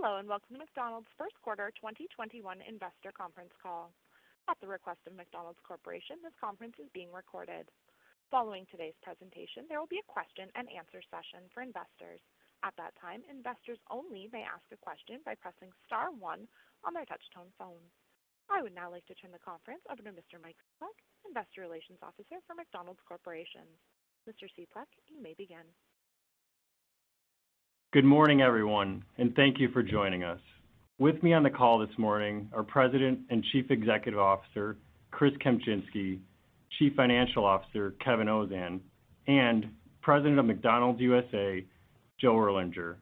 Hello, welcome to McDonald's first quarter 2021 investor conference call. At the request of McDonald's Corporation, this conference is being recorded. Following today's presentation, there will be a question and answer session for investors. At that time, investors only may ask a question by pressing star one on their touch-tone phone. I would now like to turn the conference over to Mr. Mike Cieplak, Investor Relations Officer for McDonald's Corporation. Mr. Cieplak, you may begin. Good morning, everyone, and thank you for joining us. With me on the call this morning, are President and Chief Executive Officer, Chris Kempczinski, Chief Financial Officer, Kevin Ozan, and President of McDonald's USA, Joe Erlinger.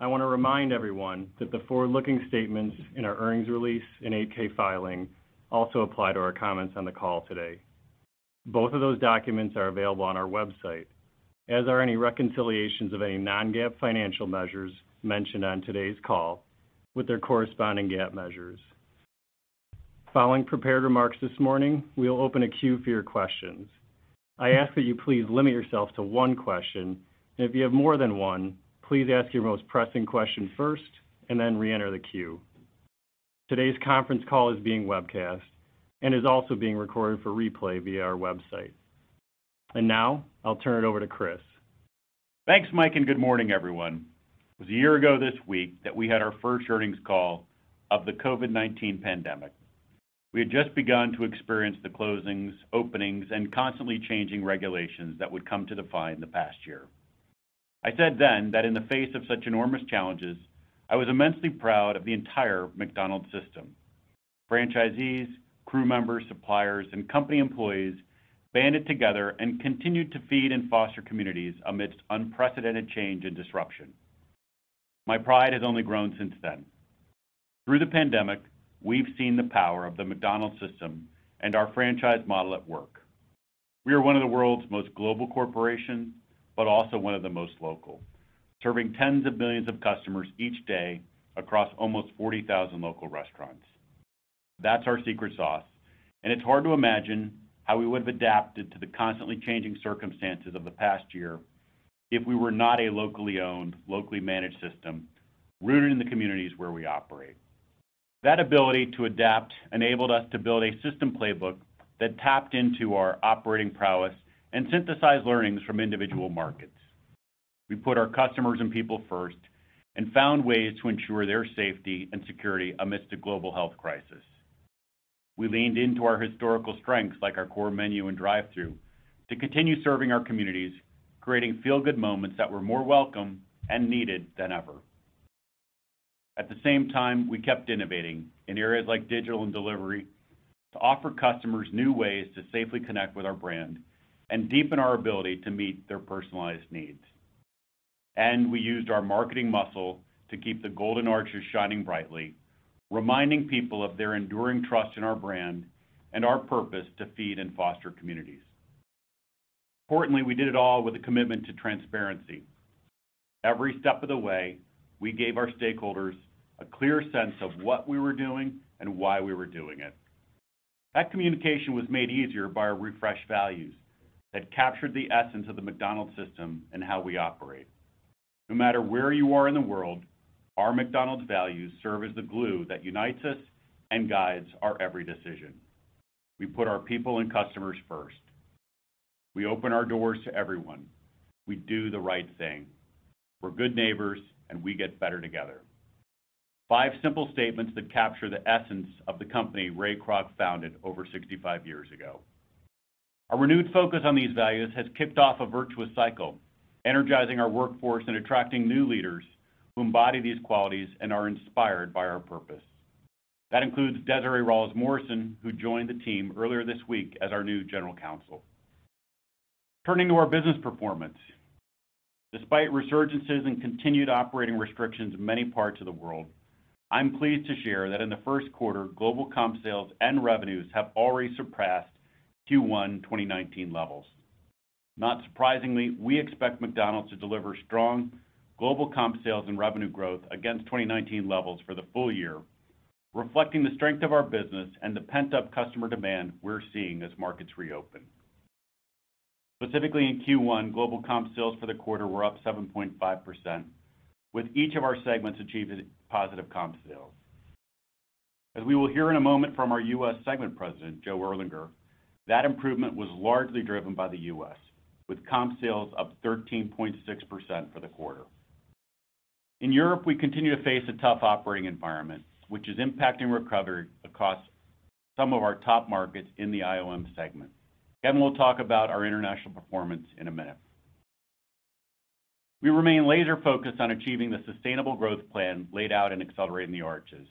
I want to remind everyone that the forward-looking statements in our earnings release and 8-K filing also apply to our comments on the call today. Both of those documents are available on our website, as are any reconciliations of any non-GAAP financial measures mentioned on today's call with their corresponding GAAP measures. Following prepared remarks this morning, we will open a queue for your questions. I ask that you please limit yourself to one question, and if you have more than one, please ask your most pressing question first and then reenter the queue. Today's conference call is being webcast and is also being recorded for replay via our website. Now I'll turn it over to Chris. Thanks, Mike, and good morning, everyone. It was a year ago this week that we had our first earnings call of the COVID-19 pandemic. We had just begun to experience the closings, openings, and constantly changing regulations that would come to define the past year. I said then that in the face of such enormous challenges, I was immensely proud of the entire McDonald's system. Franchisees, crew members, suppliers, and company employees banded together and continued to feed and foster communities amidst unprecedented change and disruption. My pride has only grown since then. Through the pandemic, we've seen the power of the McDonald's system and our franchise model at work. We are one of the world's most global corporations, but also one of the most local, serving tens of millions of customers each day across almost 40,000 local restaurants. That's our secret sauce, and it's hard to imagine how we would have adapted to the constantly changing circumstances of the past year if we were not a locally owned, locally managed system rooted in the communities where we operate. That ability to adapt enabled us to build a system playbook that tapped into our operating prowess and synthesized learnings from individual markets. We put our customers and people first and found ways to ensure their safety and security amidst a global health crisis. We leaned into our historical strengths, like our core menu and drive-thru, to continue serving our communities, creating feel-good moments that were more welcome and needed than ever. At the same time, we kept innovating in areas like digital and delivery to offer customers new ways to safely connect with our brand and deepen our ability to meet their personalized needs. We used our marketing muscle to keep the Golden Arches shining brightly, reminding people of their enduring trust in our brand and our purpose to feed and foster communities. Importantly, we did it all with a commitment to transparency. Every step of the way, we gave our stakeholders a clear sense of what we were doing and why we were doing it. That communication was made easier by our refreshed values that captured the essence of the McDonald's system and how we operate. No matter where you are in the world, our McDonald's values serve as the glue that unites us and guides our every decision. We put our people and customers first. We open our doors to everyone. We do the right thing. We're good neighbors, and we get better together. Five simple statements that capture the essence of the company Ray Kroc founded over 65 years ago. Our renewed focus on these values has kicked off a virtuous cycle, energizing our workforce and attracting new leaders who embody these qualities and are inspired by our purpose. That includes Desiree Ralls-Morrison, who joined the team earlier this week as our new general counsel. Turning to our business performance. Despite resurgences and continued operating restrictions in many parts of the world, I'm pleased to share that in the first quarter, global comp sales and revenues have already surpassed Q1 2019 levels. Not surprisingly, we expect McDonald's to deliver strong global comp sales and revenue growth against 2019 levels for the full year, reflecting the strength of our business and the pent-up customer demand we're seeing as markets reopen. Specifically in Q1, global comp sales for the quarter were up 7.5%, with each of our segments achieving positive comp sales. As we will hear in a moment from our U.S. segment president, Joe Erlinger, that improvement was largely driven by the U.S., with comp sales up 13.6% for the quarter. In Europe, we continue to face a tough operating environment, which is impacting recovery across some of our top markets in the IOM segment. Kevin will talk about our international performance in a minute. We remain laser focused on achieving the sustainable growth plan laid out in Accelerating the Arches.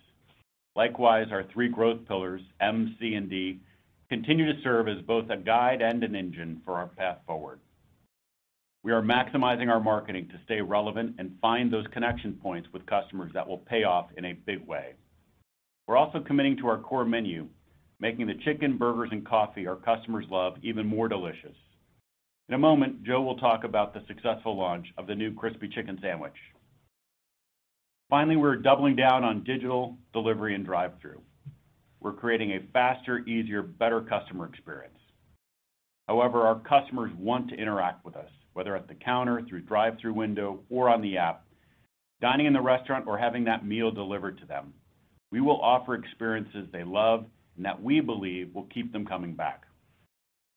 Likewise, our three growth pillars, 3Ds, continue to serve as both a guide and an engine for our path forward. We are maximizing our marketing to stay relevant and find those connection points with customers that will pay off in a big way. We're also committing to our core menu, making the chicken, burgers, and coffee our customers love even more delicious. In a moment, Joe will talk about the successful launch of the new Crispy Chicken Sandwich. Finally, we're doubling down on digital delivery and drive-thru. We're creating a faster, easier, better customer experience. However, our customers want to interact with us, whether at the counter, through drive-thru window, or on the app, dining in the restaurant or having that meal delivered to them. We will offer experiences they love and that we believe will keep them coming back.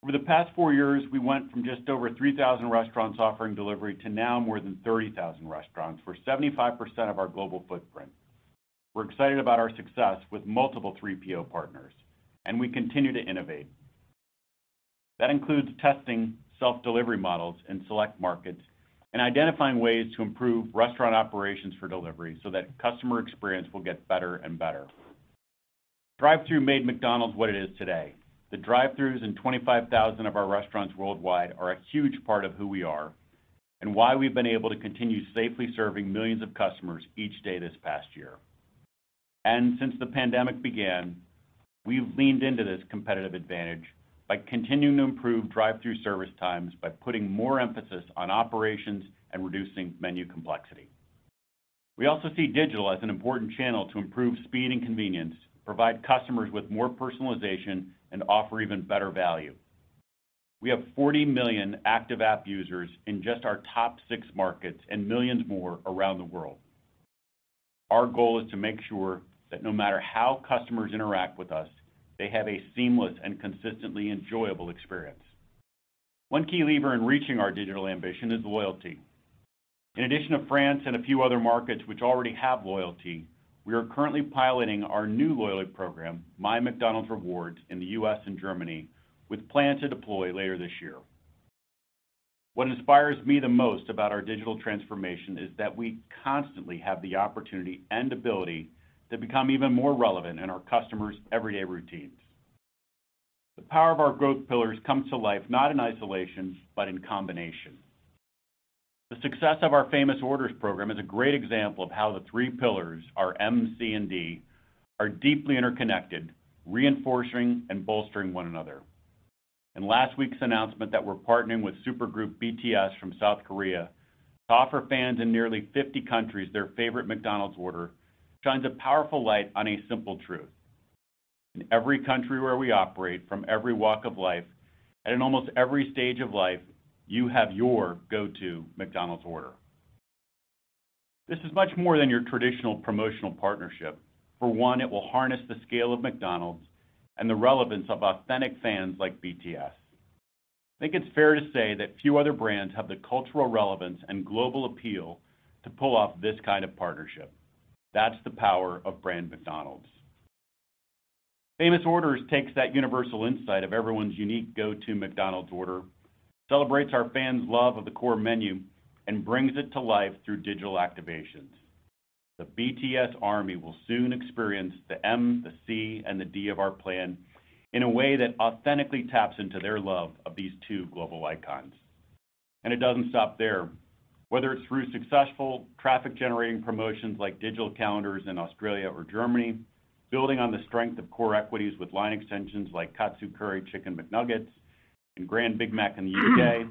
Over the past four years, we went from just over 3,000 restaurants offering delivery to now more than 30,000 restaurants for 75% of our global footprint. We're excited about our success with multiple 3PD partners, and we continue to innovate. That includes testing self-delivery models in select markets and identifying ways to improve restaurant operations for delivery so that customer experience will get better and better. Drive-thru made McDonald's what it is today. The drive-thrus in 25,000 of our restaurants worldwide are a huge part of who we are and why we've been able to continue safely serving millions of customers each day this past year. Since the pandemic began, we've leaned into this competitive advantage by continuing to improve drive-thru service times by putting more emphasis on operations and reducing menu complexity. We also see digital as an important channel to improve speed and convenience, provide customers with more personalization, and offer even better value. We have 40 million active app users in just our top 6 markets and millions more around the world. Our goal is to make sure that no matter how customers interact with us, they have a seamless and consistently enjoyable experience. One key lever in reaching our digital ambition is loyalty. In addition to France and a few other markets which already have loyalty, we are currently piloting our new loyalty program, MyMcDonald's Rewards, in the U.S. and Germany, with plan to deploy later this year. What inspires me the most about our digital transformation is that we constantly have the opportunity and ability to become even more relevant in our customers' everyday routines. The power of our growth pillars comes to life not in isolation, but in combination. The success of our Famous Orders program is a great example of how the three pillars, our M, C, and D, are deeply interconnected, reinforcing and bolstering one another. In last week's announcement that we're partnering with supergroup BTS from South Korea to offer fans in nearly 50 countries their favorite McDonald's order shines a powerful light on a simple truth. In every country where we operate, from every walk of life, and in almost every stage of life, you have your go-to McDonald's order. This is much more than your traditional promotional partnership. For one, it will harness the scale of McDonald's and the relevance of authentic fans like BTS. I think it's fair to say that few other brands have the cultural relevance and global appeal to pull off this kind of partnership. That's the power of brand McDonald's. Famous Orders takes that universal insight of everyone's unique go-to McDonald's order, celebrates our fans' love of the core menu, and brings it to life through digital activations. The BTS Army will soon experience the M, the C, and the D of our plan in a way that authentically taps into their love of these two global icons. It doesn't stop there. Whether it's through successful traffic-generating promotions like digital calendars in Australia or Germany, building on the strength of core equities with line extensions like Katsu Curry Chicken McNuggets and Grand Big Mac in the U.K.,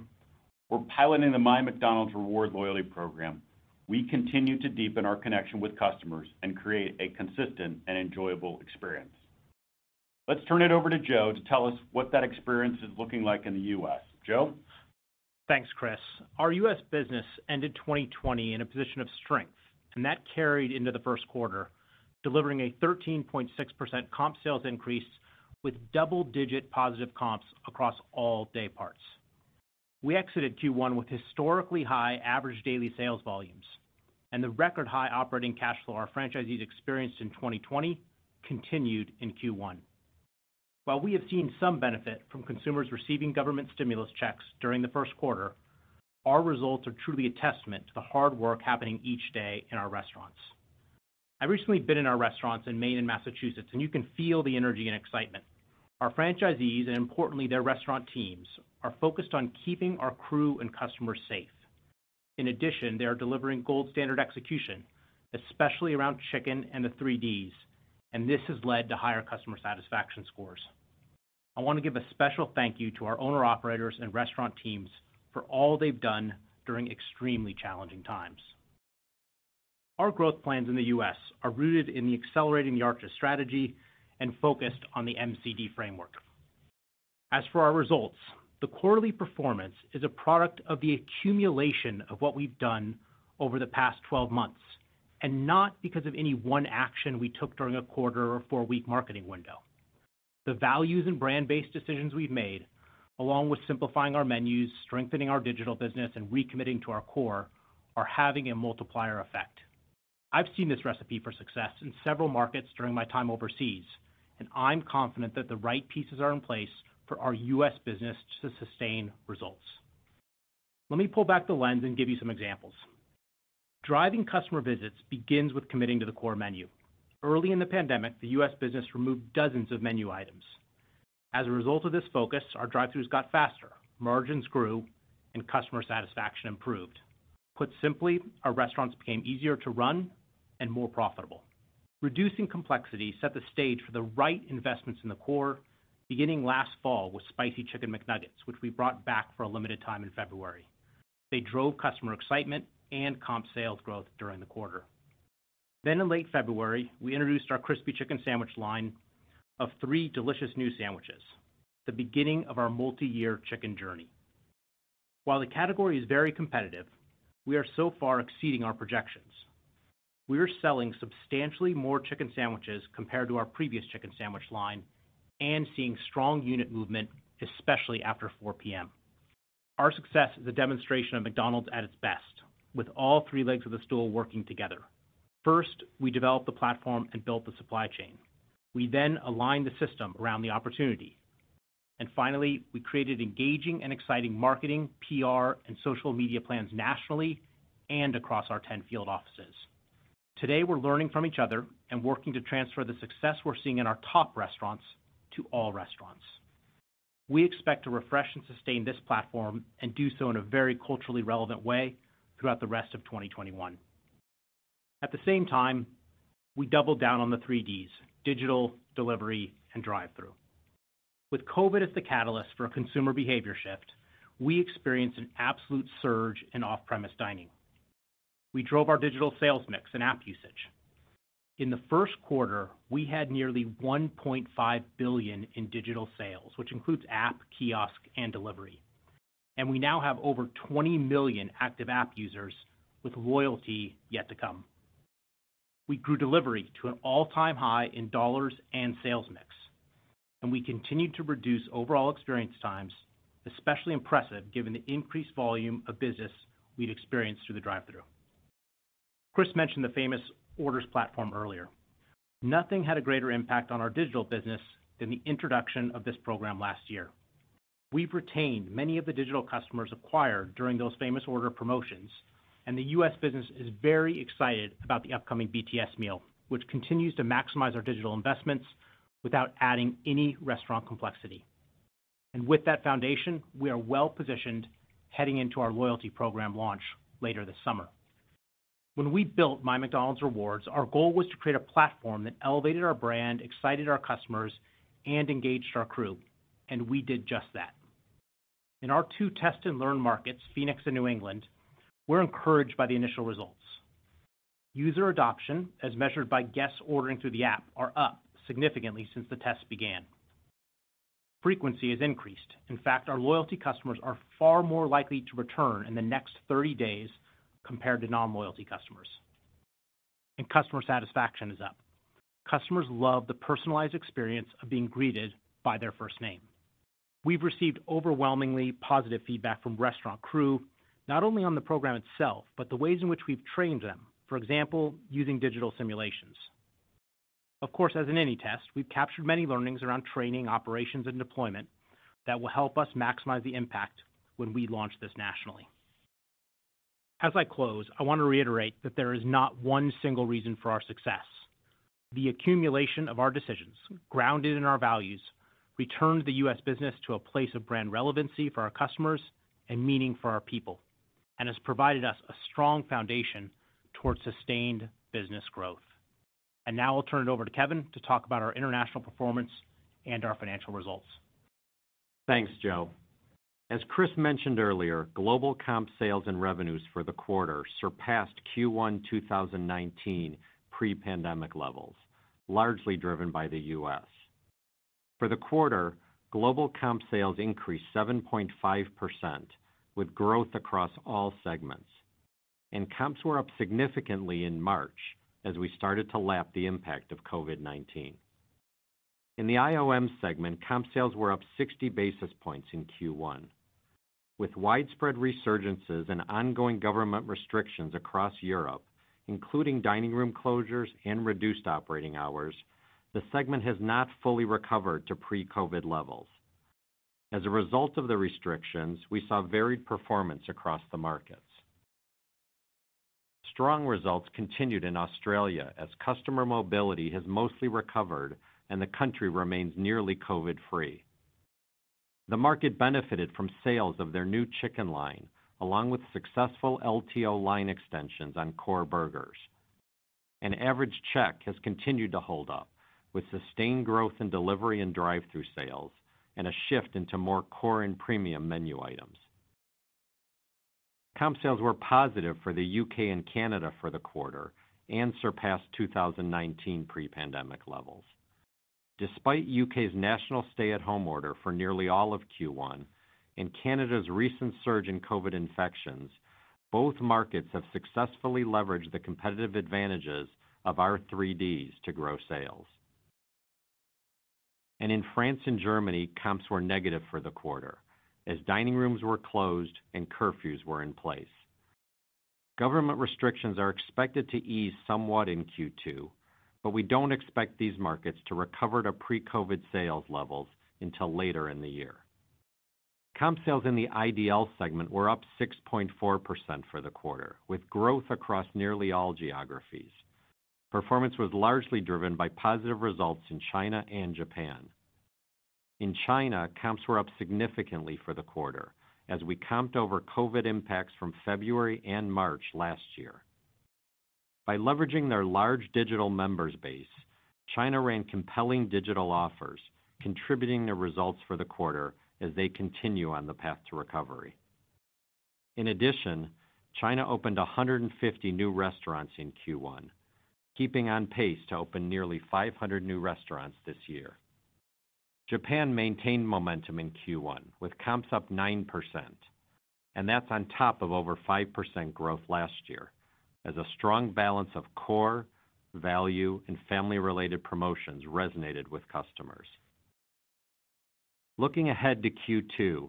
or piloting the MyMcDonald's Rewards loyalty program, we continue to deepen our connection with customers and create a consistent and enjoyable experience. Let's turn it over to Joe to tell us what that experience is looking like in the U.S. Joe? Thanks, Chris. Our U.S. business ended 2020 in a position of strength, and that carried into the first quarter, delivering a 13.6% comp sales increase with double-digit positive comps across all dayparts. We exited Q1 with historically high average daily sales volumes, and the record high operating cash flow our franchisees experienced in 2020 continued in Q1. While we have seen some benefit from consumers receiving government stimulus checks during the first quarter, our results are truly a testament to the hard work happening each day in our restaurants. I've recently been in our restaurants in Maine and Massachusetts, and you can feel the energy and excitement. Our franchisees, and importantly, their restaurant teams, are focused on keeping our crew and customers safe. In addition, they are delivering gold standard execution, especially around chicken and the 3Ds, and this has led to higher customer satisfaction scores. I want to give a special thank you to our owner-operators and restaurant teams for all they've done during extremely challenging times. Our growth plans in the U.S. are rooted in the Accelerating the Arches strategy and focused on the MCD framework. As for our results, the quarterly performance is a product of the accumulation of what we've done over the past 12 months and not because of any one action we took during a quarter or four-week marketing window. The values and brand-based decisions we've made, along with simplifying our menus, strengthening our digital business, and recommitting to our core, are having a multiplier effect. I've seen this recipe for success in several markets during my time overseas, and I'm confident that the right pieces are in place for our U.S. business to sustain results. Let me pull back the lens and give you some examples. Driving customer visits begins with committing to the core menu. Early in the pandemic, the U.S. business removed dozens of menu items. As a result of this focus, our drive-thrus got faster, margins grew, and customer satisfaction improved. Put simply, our restaurants became easier to run and more profitable. Reducing complexity set the stage for the right investments in the core beginning last fall with Spicy Chicken McNuggets, which we brought back for a limited time in February. They drove customer excitement and comp sales growth during the quarter. In late February, we introduced our Crispy Chicken Sandwich line of three delicious new sandwiches, the beginning of our multi-year chicken journey. While the category is very competitive, we are so far exceeding our projections. We are selling substantially more chicken sandwiches compared to our previous chicken sandwich line and seeing strong unit movement, especially after 4:00 P.M. Our success is a demonstration of McDonald's at its best, with all three legs of the stool working together. First, we developed the platform and built the supply chain. We aligned the system around the opportunity. Finally, we created engaging and exciting marketing, PR, and social media plans nationally and across our 10 field offices. Today, we're learning from each other and working to transfer the success we're seeing in our top restaurants to all restaurants. We expect to refresh and sustain this platform and do so in a very culturally relevant way throughout the rest of 2021. At the same time, we doubled down on the three Ds: digital, delivery, and drive-thru. With COVID as the catalyst for a consumer behavior shift, we experienced an absolute surge in off-premise dining. We drove our digital sales mix and app usage. In the first quarter, we had nearly $1.5 billion in digital sales, which includes app, kiosk, and delivery. We now have over 20 million active app users with loyalty yet to come. We grew delivery to an all-time high in dollars and sales mix. We continued to reduce overall experience times, especially impressive given the increased volume of business we've experienced through the drive-thru. Chris mentioned the Famous Orders platform earlier. Nothing had a greater impact on our digital business than the introduction of this program last year. We've retained many of the digital customers acquired during those Famous Order promotions. The U.S. business is very excited about the upcoming BTS Meal, which continues to maximize our digital investments without adding any restaurant complexity. With that foundation, we are well-positioned heading into our loyalty program launch later this summer. When we built MyMcDonald's Rewards, our goal was to create a platform that elevated our brand, excited our customers, and engaged our crew. We did just that. In our two test-and-learn markets, Phoenix and New England, we're encouraged by the initial results. User adoption, as measured by guests ordering through the app, are up significantly since the test began. Frequency has increased. In fact, our loyalty customers are far more likely to return in the next 30 days compared to non-loyalty customers. Customer satisfaction is up. Customers love the personalized experience of being greeted by their first name. We've received overwhelmingly positive feedback from restaurant crew, not only on the program itself, but the ways in which we've trained them. For example, using digital simulations. Of course, as in any test, we've captured many learnings around training, operations, and deployment that will help us maximize the impact when we launch this nationally. As I close, I want to reiterate that there is not one single reason for our success. The accumulation of our decisions, grounded in our values, returns the U.S. business to a place of brand relevancy for our customers and meaning for our people, and has provided us a strong foundation towards sustained business growth. Now I'll turn it over to Kevin to talk about our international performance and our financial results. Thanks, Joe. As Chris mentioned earlier, global comp sales and revenues for the quarter surpassed Q1 2019 pre-pandemic levels, largely driven by the U.S. For the quarter, global comp sales increased 7.5%, with growth across all segments. Comps were up significantly in March as we started to lap the impact of COVID-19. In the IOM segment, comp sales were up 60 basis points in Q1. With widespread resurgences and ongoing government restrictions across Europe, including dining room closures and reduced operating hours, the segment has not fully recovered to pre-COVID levels. As a result of the restrictions, we saw varied performance across the markets. Strong results continued in Australia as customer mobility has mostly recovered and the country remains nearly COVID-free. The market benefited from sales of their new chicken line, along with successful LTO line extensions on core burgers. Average check has continued to hold up with sustained growth in delivery and drive-thru sales and a shift into more core and premium menu items. Comp sales were positive for the U.K. and Canada for the quarter and surpassed 2019 pre-pandemic levels. Despite U.K.'s national stay-at-home order for nearly all of Q1 and Canada's recent surge in COVID infections, both markets have successfully leveraged the competitive advantages of our 3Ds to grow sales. In France and Germany, comps were negative for the quarter, as dining rooms were closed and curfews were in place. Government restrictions are expected to ease somewhat in Q2, but we don't expect these markets to recover to pre-COVID sales levels until later in the year. Comp sales in the IDL segment were up 6.4% for the quarter, with growth across nearly all geographies. Performance was largely driven by positive results in China and Japan. In China, comps were up significantly for the quarter as we comped over COVID-19 impacts from February and March last year. By leveraging their large digital members base, China ran compelling digital offers, contributing to results for the quarter as they continue on the path to recovery. In addition, China opened 150 new restaurants in Q1, keeping on pace to open nearly 500 new restaurants this year. Japan maintained momentum in Q1 with comps up 9%, that's on top of over 5% growth last year as a strong balance of core, value, and family-related promotions resonated with customers. Looking ahead to Q2,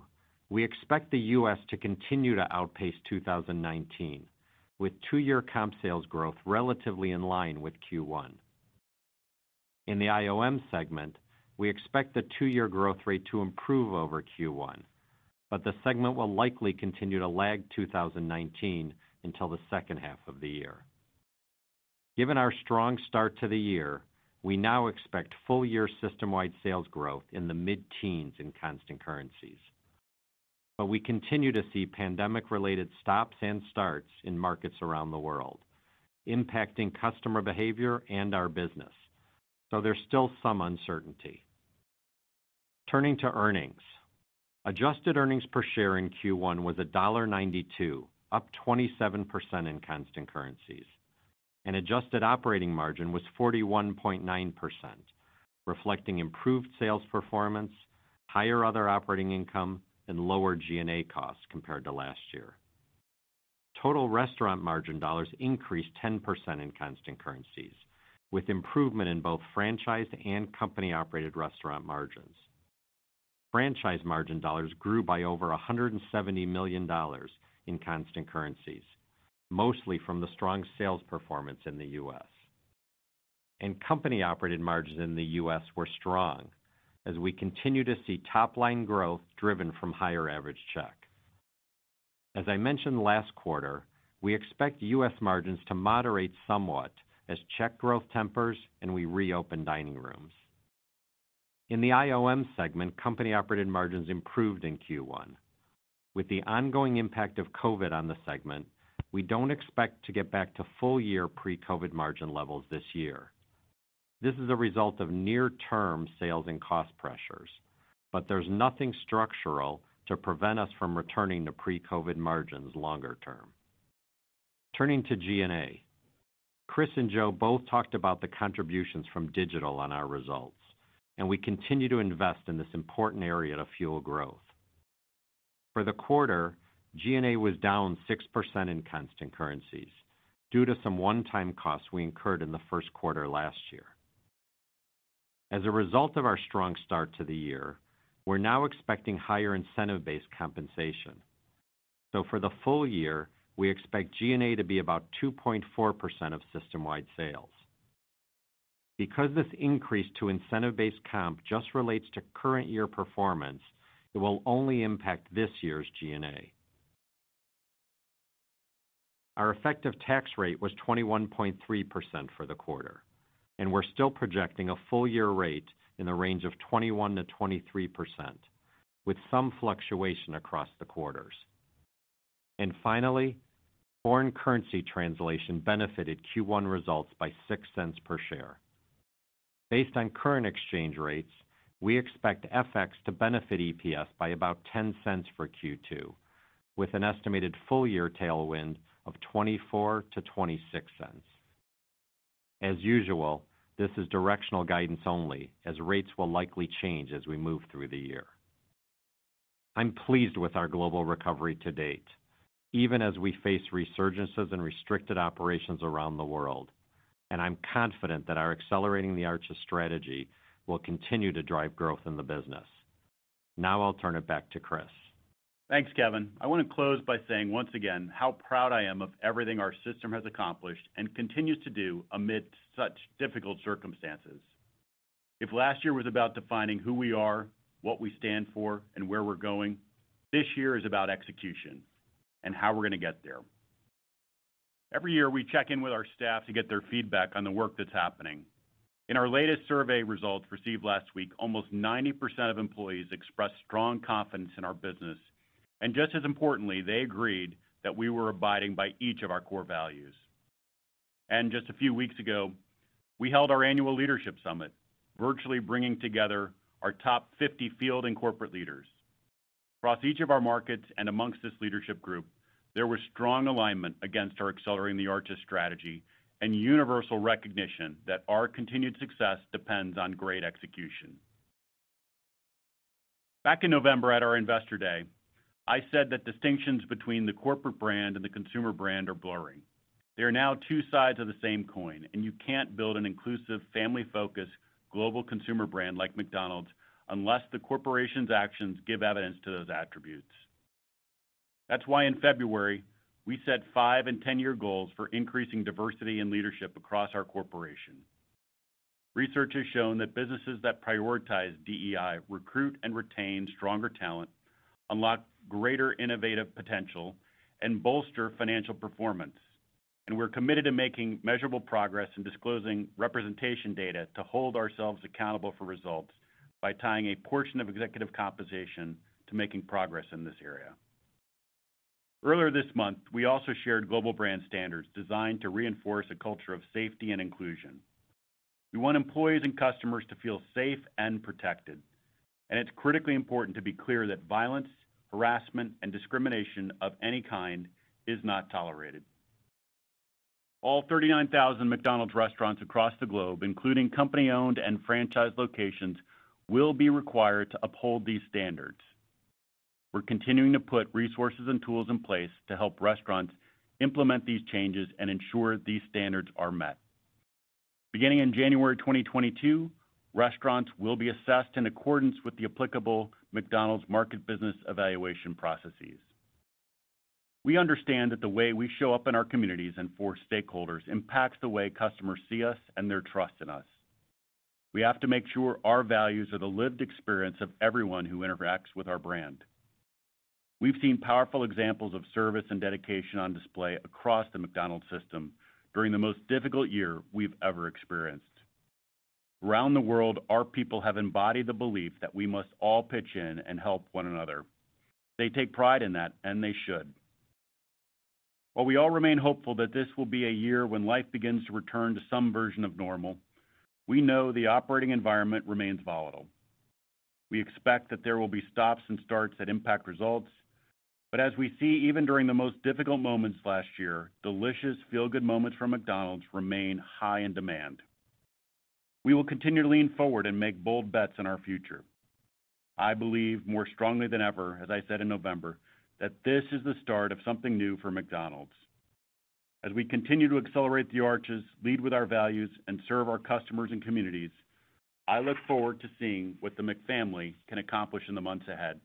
we expect the U.S. to continue to outpace 2019 with two-year comp sales growth relatively in line with Q1. In the IOM segment, we expect the two-year growth rate to improve over Q1, but the segment will likely continue to lag 2019 until the second half of the year. Given our strong start to the year, we now expect full-year system-wide sales growth in the mid-teens in constant currencies. We continue to see pandemic-related stops and starts in markets around the world, impacting customer behavior and our business. There's still some uncertainty. Turning to earnings. Adjusted earnings per share in Q1 was $1.92, up 27% in constant currencies, and adjusted operating margin was 41.9%, reflecting improved sales performance, higher other operating income, and lower G&A costs compared to last year. Total restaurant margin dollars increased 10% in constant currencies, with improvement in both franchised and company-operated restaurant margins. Franchise margin dollars grew by over $170 million in constant currencies, mostly from the strong sales performance in the U.S. Company-operated margins in the U.S. were strong as we continue to see top-line growth driven from higher average check. As I mentioned last quarter, we expect U.S. margins to moderate somewhat as check growth tempers and we reopen dining rooms. In the IOM segment, company-operated margins improved in Q1. With the ongoing impact of COVID on the segment, we don't expect to get back to full-year pre-COVID margin levels this year. This is a result of near-term sales and cost pressures, but there's nothing structural to prevent us from returning to pre-COVID margins longer term. Turning to G&A. Chris and Joe both talked about the contributions from digital on our results, and we continue to invest in this important area to fuel growth. For the quarter, G&A was down 6% in constant currencies due to some one-time costs we incurred in the first quarter last year. As a result of our strong start to the year, we're now expecting higher incentive-based compensation. For the full year, we expect G&A to be about 2.4% of system-wide sales. Because this increase to incentive-based comp just relates to current year performance, it will only impact this year's G&A. Our effective tax rate was 21.3% for the quarter, and we're still projecting a full-year rate in the range of 21%-23%, with some fluctuation across the quarters. Finally, foreign currency translation benefited Q1 results by $0.06 per share. Based on current exchange rates, we expect FX to benefit EPS by about $0.10 for Q2, with an estimated full-year tailwind of $0.24-$0.26. As usual, this is directional guidance only, as rates will likely change as we move through the year. I'm pleased with our global recovery to date, even as we face resurgences and restricted operations around the world, and I'm confident that our Accelerating the Arches strategy will continue to drive growth in the business. Now I'll turn it back to Chris. Thanks, Kevin. I want to close by saying once again how proud I am of everything our system has accomplished and continues to do amid such difficult circumstances. If last year was about defining who we are, what we stand for, and where we're going, this year is about execution and how we're going to get there. Every year, we check in with our staff to get their feedback on the work that's happening. In our latest survey results received last week, almost 90% of employees expressed strong confidence in our business. Just as importantly, they agreed that we were abiding by each of our core values. Just a few weeks ago, we held our annual leadership summit, virtually bringing together our top 50 field and corporate leaders. Across each of our markets and amongst this leadership group, there was strong alignment against our Accelerating the Arches strategy and universal recognition that our continued success depends on great execution. Back in November at our Investor Day, I said that distinctions between the corporate brand and the consumer brand are blurring. They are now two sides of the same coin, and you can't build an inclusive, family-focused, global consumer brand like McDonald's unless the corporation's actions give evidence to those attributes. That's why in February, we set five and 10-year goals for increasing diversity in leadership across our corporation. Research has shown that businesses that prioritize DEI recruit and retain stronger talent, unlock greater innovative potential, and bolster financial performance. We're committed to making measurable progress in disclosing representation data to hold ourselves accountable for results by tying a portion of executive compensation to making progress in this area. Earlier this month, we also shared global brand standards designed to reinforce a culture of safety and inclusion. We want employees and customers to feel safe and protected, and it's critically important to be clear that violence, harassment, and discrimination of any kind is not tolerated. All 39,000 McDonald's restaurants across the globe, including company-owned and franchised locations, will be required to uphold these standards. We're continuing to put resources and tools in place to help restaurants implement these changes and ensure these standards are met. Beginning in January 2022, restaurants will be assessed in accordance with the applicable McDonald's market business evaluation processes. We understand that the way we show up in our communities and for stakeholders impacts the way customers see us and their trust in us. We have to make sure our values are the lived experience of everyone who interacts with our brand. We've seen powerful examples of service and dedication on display across the McDonald's system during the most difficult year we've ever experienced. Around the world, our people have embodied the belief that we must all pitch in and help one another. They take pride in that, and they should. While we all remain hopeful that this will be a year when life begins to return to some version of normal, we know the operating environment remains volatile. We expect that there will be stops and starts that impact results, but as we see, even during the most difficult moments last year, delicious feel-good moments from McDonald's remain high in demand. We will continue to lean forward and make bold bets on our future. I believe more strongly than ever, as I said in November, that this is the start of something new for McDonald's. As we continue to accelerate the arches, lead with our values, and serve our customers and communities, I look forward to seeing what the McFamily can accomplish in the months ahead,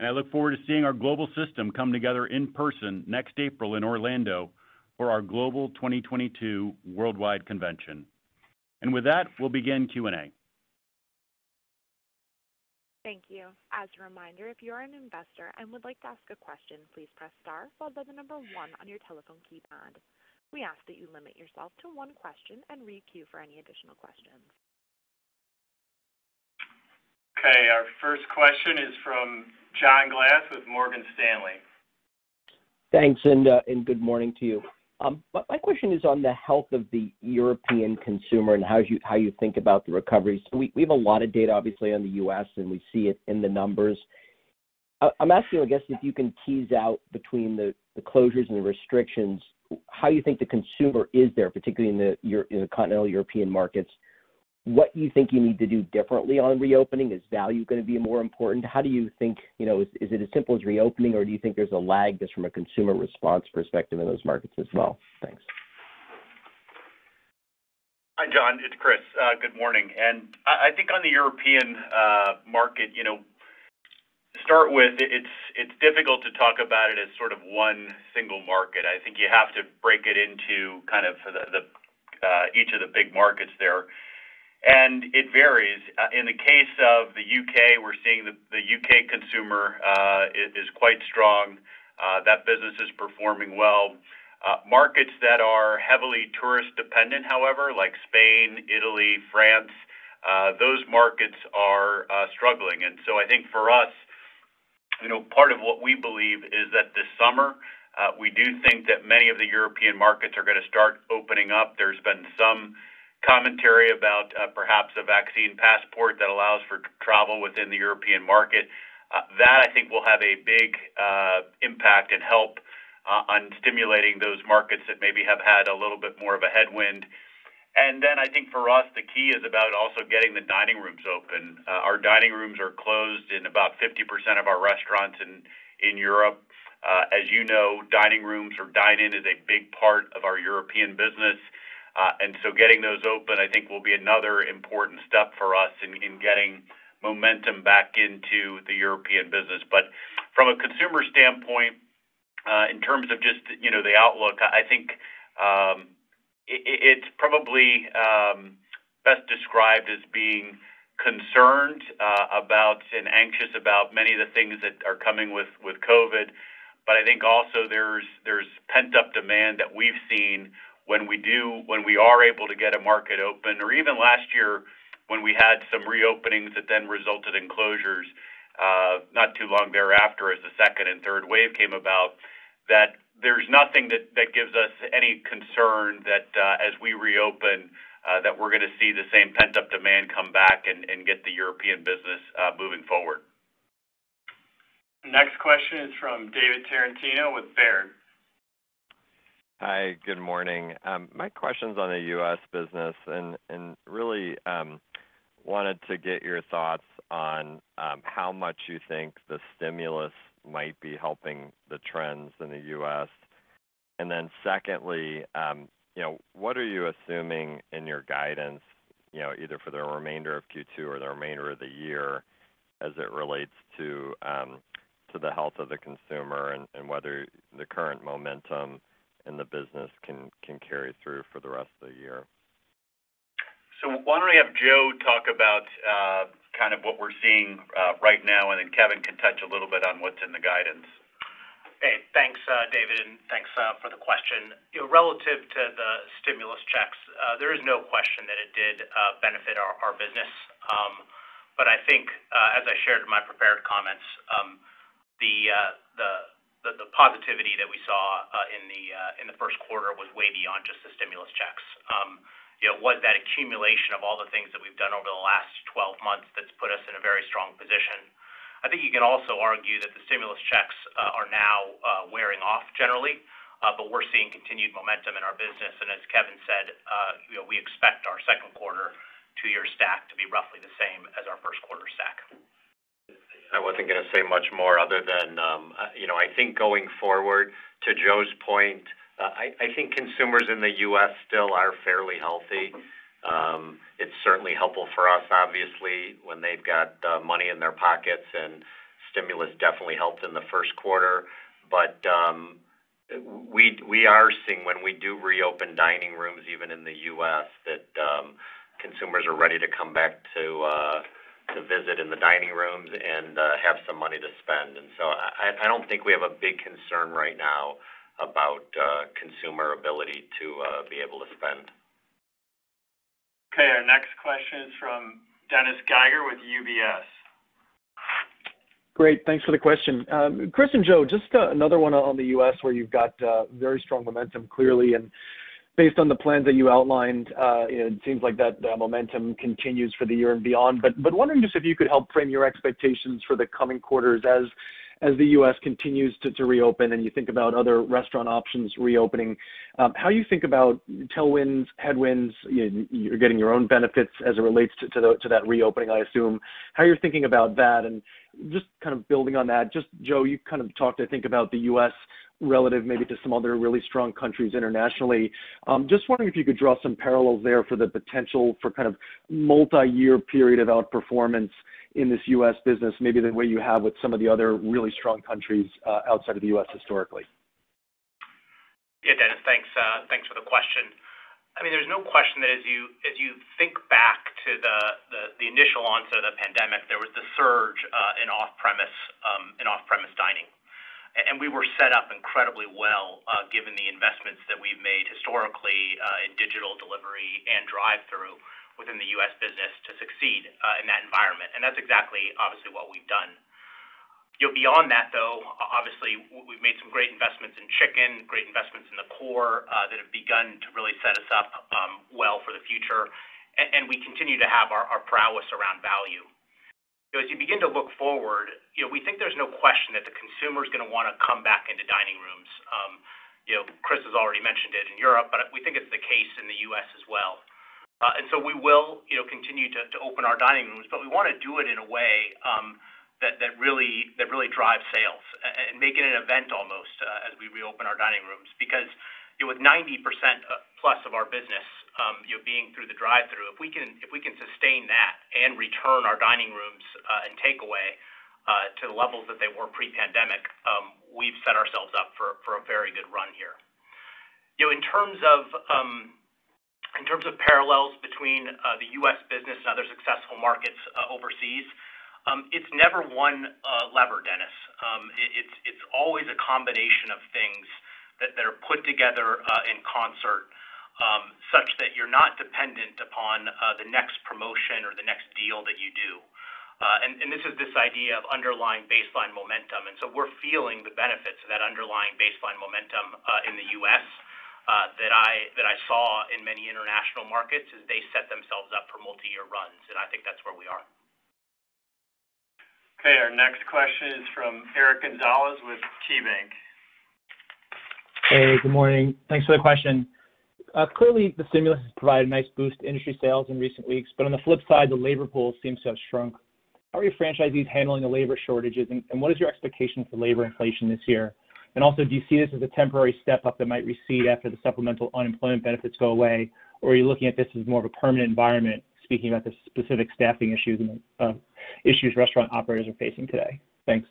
and I look forward to seeing our global system come together in person next April in Orlando for our global 2022 worldwide convention. With that, we'll begin Q&A. Thank you. As a reminder, if you are an investor and would like to ask a question, please press star followed by the number one on your telephone keypad. We ask that you limit yourself to one question and re-queue for any additional questions. Okay. Our first question is from John Glass with Morgan Stanley. Thanks, good morning to you. My question is on the health of the European consumer and how you think about the recovery. We have a lot of data, obviously, on the U.S., and we see it in the numbers. I'm asking, I guess, if you can tease out between the closures and the restrictions, how you think the consumer is there, particularly in the continental European markets, what you think you need to do differently on reopening. Is value going to be more important? Is it as simple as reopening, or do you think there's a lag just from a consumer response perspective in those markets as well? Thanks. Hi, John. It's Chris. Good morning. I think on the European market, to start with, it's difficult to talk about it as one single market. I think you have to break it into each of the big markets there, and it varies. In the case of the U.K., we're seeing the U.K. consumer is quite strong. That business is performing well. Markets that are heavily tourist-dependent, however, like Spain, Italy, France, those markets are struggling. I think for us, part of what we believe is that this summer, we do think that many of the European markets are going to start opening up. There's been some commentary about perhaps a vaccine passport that allows for travel within the European market. That, I think, will have a big impact and help on stimulating those markets that maybe have had a little bit more of a headwind. Then I think for us, the key is about also getting the dining rooms open. Our dining rooms are closed in about 50% of our restaurants in Europe. As you know, dining rooms or dine-in is a big part of our European business. So getting those open, I think, will be another important step for us in getting momentum back into the European business. From a consumer standpoint, in terms of just the outlook, I think, it's probably best described as being concerned about and anxious about many of the things that are coming with COVID. I think also there's pent-up demand that we've seen when we are able to get a market open, or even last year when we had some reopenings that then resulted in closures not too long thereafter as the second and third wave came about, that there's nothing that gives us any concern that as we reopen, that we're going to see the same pent-up demand come back and get the European business moving forward. Next question is from David Tarantino with Baird. Hi, good morning. My question's on the U.S. business, and really wanted to get your thoughts on how much you think the stimulus might be helping the trends in the U.S. Secondly, what are you assuming in your guidance, either for the remainder of Q2 or the remainder of the year as it relates to the health of the consumer and whether the current momentum in the business can carry through for the rest of the year? Why don't I have Joe talk about what we're seeing right now, and then Kevin can touch a little bit on what's in the guidance. Hey, thanks, David, and thanks for the question. Relative to the stimulus checks, there is no question that it did benefit our business. I think, as I shared in my prepared comments, the positivity that we saw in the first quarter was way beyond just the stimulus checks. It was that accumulation of all the things that we've done over the last 12 months that's put us in a very strong position. I think you can also argue that the stimulus checks are now wearing off generally, we're seeing continued momentum in our business, and as Kevin said, we expect our second quarter two-year stack to be roughly the same as our first quarter stack. I wasn't going to say much more other than I think going forward, to Joe's point, I think consumers in the U.S. still are fairly healthy. It's certainly helpful for us, obviously, when they've got money in their pockets, and stimulus definitely helped in the first quarter. We are seeing, when we do reopen dining rooms, even in the U.S., that consumers are ready to come back to visit in the dining rooms and have some money to spend. I don't think we have a big concern right now about consumer ability to be able to spend. Our next question is from Dennis Geiger with UBS. Great. Thanks for the question. Chris and Joe, just another one on the U.S. where you've got very strong momentum, clearly, and based on the plans that you outlined, it seems like that momentum continues for the year and beyond. Wondering just if you could help frame your expectations for the coming quarters as the U.S. continues to reopen, and you think about other restaurant options reopening. How you think about tailwinds, headwinds, you're getting your own benefits as it relates to that reopening, I assume. How you're thinking about that, just building on that, Joe, you talked, I think, about the U.S. relative maybe to some other really strong countries internationally. Just wondering if you could draw some parallels there for the potential for multi-year period of outperformance in this U.S. business, maybe the way you have with some of the other really strong countries outside of the U.S. historically. Yeah, Dennis. Thanks for the question. There's no question that as you think back to the initial onset of the pandemic, there was this surge in off-premise dining. We were set up incredibly well, given the investments that we've made historically in Digital, Delivery, and Drive-Thru within the U.S. business to succeed in that environment. That's exactly, obviously, what we've done. Beyond that, though, obviously, we've made some great investments in chicken, great investments in the core, that have begun to really set us up well for the future. We continue to have our prowess around value. As you begin to look forward, we think there's no question that the consumer's going to want to come back into dining rooms. Chris has already mentioned it in Europe, but we think it's the case in the U.S. as well. We will continue to open our dining rooms, but we want to do it in a way that really drives sales and make it an event almost as we reopen our dining rooms. With 90%+ of our business being through the drive-thru, if we can sustain that and return our dining rooms and takeaway to the levels that they were pre-pandemic, we've set ourselves up for a very good run here. In terms of parallels between the U.S. business and other successful markets overseas, it's never one lever, Dennis. It's always a combination of things that are put together in concert such that you're not dependent upon the next promotion or the next deal that you do. This is this idea of underlying baseline momentum. So we're feeling the benefits of that underlying baseline momentum in the U.S. that I saw in many international markets as they set themselves up for multi-year runs. I think that's where we are. Okay, our next question is from Eric Gonzalez with KeyBanc. Hey, good morning. Thanks for the question. Clearly, the stimulus has provided a nice boost to industry sales in recent weeks, but on the flip side, the labor pool seems to have shrunk. How are your franchisees handling the labor shortages, and what is your expectation for labor inflation this year? Also, do you see this as a temporary step-up that might recede after the supplemental unemployment benefits go away, or are you looking at this as more of a permanent environment, speaking about the specific staffing issues restaurant operators are facing today? Thanks.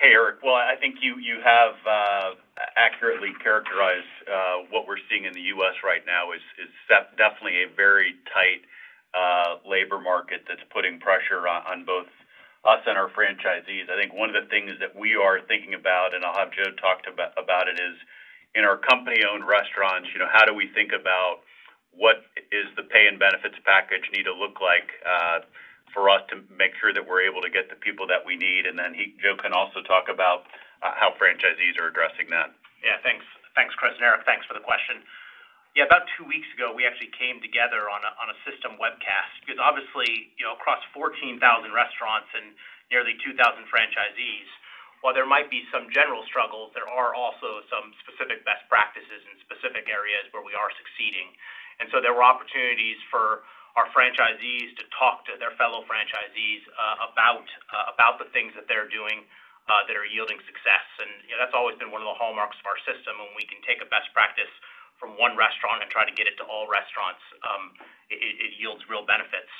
Hey, Eric. Well, I think you have accurately characterized what we're seeing in the U.S. right now is definitely a very tight labor market that's putting pressure on both us and our franchisees. I think one of the things that we are thinking about, and I'll have Joe talk about it, is in our company-owned restaurants, how do we think about what is the pay and benefits package need to look like for us to make sure that we're able to get the people that we need? Then Joe can also talk about how franchisees are addressing that. Yeah, thanks. Thanks, Chris and Eric. Thanks for the question. Yeah, about two weeks ago, we actually came together on a system webcast because obviously, across 14,000 restaurants and nearly 2,000 franchisees, while there might be some general struggles, there are also some specific best practices and specific areas where we are succeeding. And so there were opportunities for our franchisees to talk to their fellow franchisees about the things that they're doing that are yielding success, and that's always been one of the hallmarks of our system, when we can take a best practice from one restaurant and try to get it to all restaurants. It yields real benefits.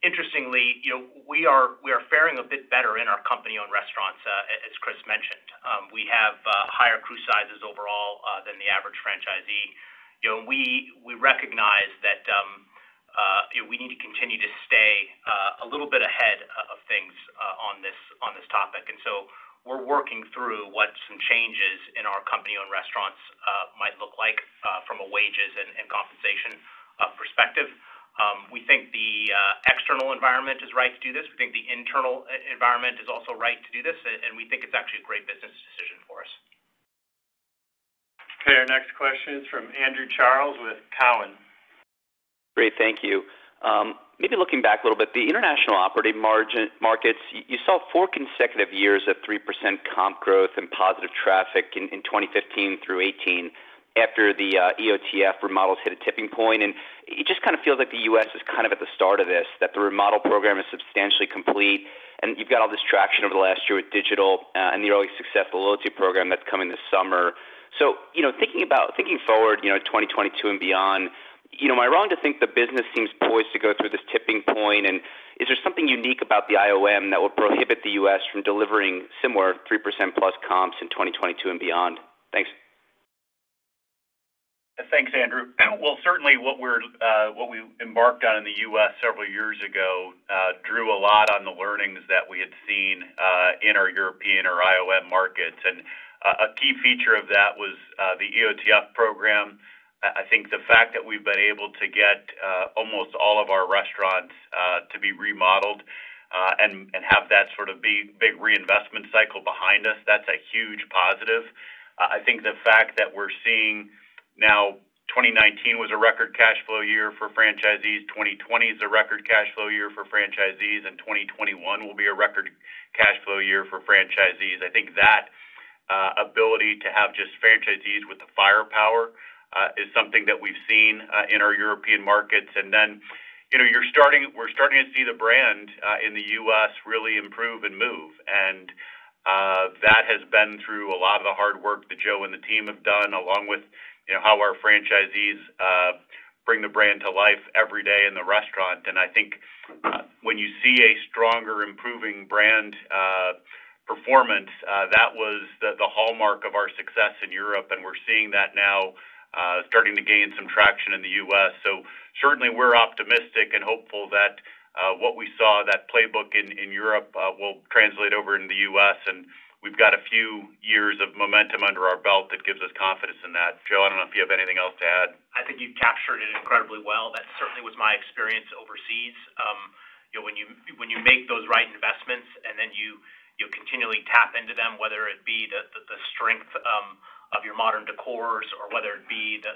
Interestingly, we are faring a bit better in our company-owned restaurants as Chris mentioned. We have higher crew sizes overall than the average franchisee. We recognize that we need to continue to stay a little bit ahead of things on this topic. We're working through what some changes in our company-owned restaurants might look like from a wages and compensation perspective. We think the external environment is right to do this. We think the internal environment is also right to do this. We think it's actually a great business decision for us. Okay. Our next question is from Andrew Charles with Cowen. Great. Thank you. Maybe looking back a little bit, the international operating markets, you saw four consecutive years of 3% comp growth and positive traffic in 2015 through 2018 after the EOTF remodels hit a tipping point. It just feels like the U.S. is at the start of this, that the remodel program is substantially complete, and you've got all this traction over the last year with digital and your always successful loyalty program that's coming this summer. Thinking forward, 2022 and beyond, am I wrong to think the business seems poised to go through this tipping point? Is there something unique about the IOM that would prohibit the U.S. from delivering similar 3%+ comps in 2022 and beyond? Thanks. Thanks, Andrew. Well, certainly what we embarked on in the U.S. several years ago drew a lot on the learnings that we had seen in our European or IOM markets. A key feature of that was the EOTF program. I think the fact that we've been able to get almost all of our restaurants to be remodeled, and have that big reinvestment cycle behind us, that's a huge positive. I think the fact that we're seeing now 2019 was a record cash flow year for franchisees, 2020 is a record cash flow year for franchisees, and 2021 will be a record cash flow year for franchisees. I think that ability to have just franchisees with the firepower is something that we've seen in our European markets. We're starting to see the brand in the U.S. really improve and move. That has been through a lot of the hard work that Joe and the team have done, along with how our franchisees bring the brand to life every day in the restaurant. I think when you see a stronger, improving brand performance, that was the hallmark of our success in Europe, and we're seeing that now starting to gain some traction in the U.S. Certainly, we're optimistic and hopeful that what we saw, that playbook in Europe, will translate over into the U.S. We've got a few years of momentum under our belt that gives us confidence in that. Joe, I don't know if you have anything else to add. I think you captured it incredibly well. That certainly was my experience overseas. When you make those right investments and then you continually tap into them, whether it be the strength of your modern decors, or whether it be the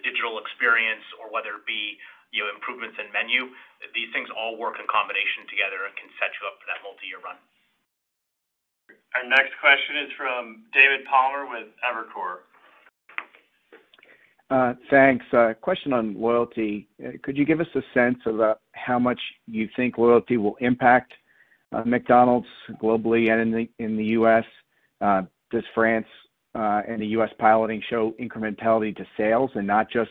digital experience, or whether it be improvements in menu, these things all work in combination together and can set you up for that multi-year run. Our next question is from David Palmer with Evercore. Thanks. A question on loyalty. Could you give us a sense of how much you think loyalty will impact McDonald's globally and in the U.S.? Does France and the U.S. piloting show incrementality to sales and not just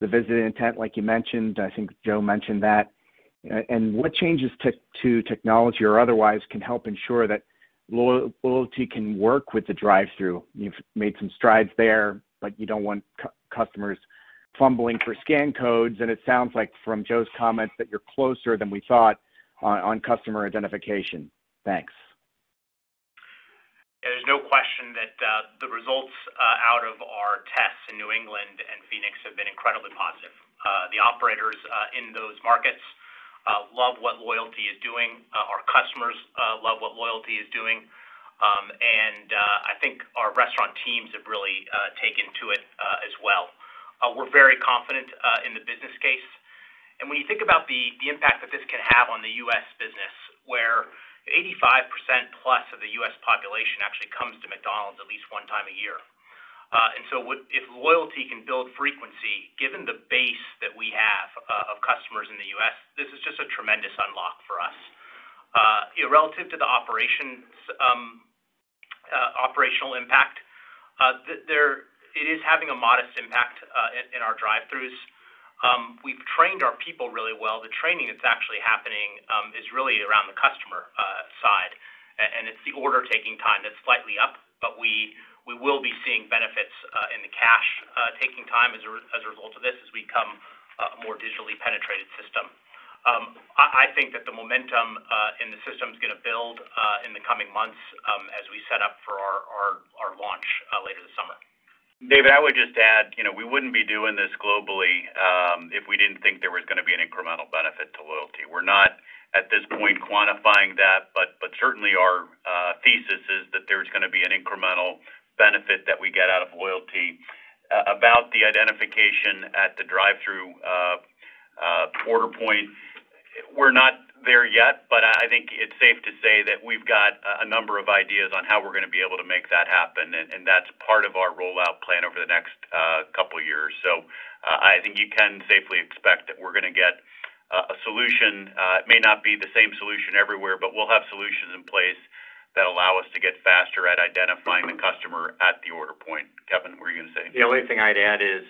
the visit intent like you mentioned? I think Joe mentioned that. What changes to technology or otherwise can help ensure that loyalty can work with the drive-thru? You've made some strides there, but you don't want customers fumbling for scan codes, and it sounds like from Joe's comments, that you're closer than we thought on customer identification. Thanks. There's no question that the results out of our tests in New England and Phoenix have been incredibly positive. The operators in those markets love what loyalty is doing. Our customers love what loyalty is doing. I think our restaurant teams have really taken to it as well. We're very confident in the business case. When you think about the impact that this can have on the U.S. business, where 85%+ of the U.S. population actually comes to McDonald's at least one time a year. If loyalty can build frequency, given the base that we have of customers in the U.S., this is just a tremendous unlock for us. Relative to the operational impact, it is having a modest impact in our drive-thru. We've trained our people really well. The training that's actually happening is really around the customer side, and it's the order taking time that's slightly up. We will be seeing benefits in the cash taking time as a result of this as we become a more digitally penetrated system. I think that the momentum in the system is going to build in the coming months as we set up for our launch later this summer. David, I would just add, we wouldn't be doing this globally if we didn't think there was going to be an incremental benefit to loyalty. We're not, at this point, quantifying that, but certainly our thesis is that there's going to be an incremental benefit that we get out of loyalty. About the identification at the drive-thru order point, we're not there yet, but I think it's safe to say that we've got a number of ideas on how we're going to be able to make that happen, and that's part of our rollout plan over the next couple of years. I think you can safely expect that we're going to get a solution. It may not be the same solution everywhere, but we'll have solutions in place that allow us to get faster at identifying the customer at the order point. Kevin, what were you going to say? The only thing I'd add is,